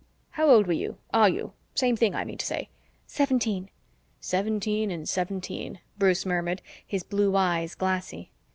"How old were you are you? Same thing, I mean to say." "Seventeen." "Seventeen in '17," Bruce murmured, his blue eyes glassy.